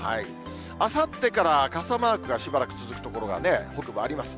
あさってから傘マークがしばらく続く所が北部、あります。